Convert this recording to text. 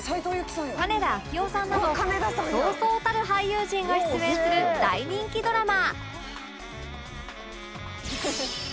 金田明夫さんなどそうそうたる俳優陣が出演する大人気ドラマ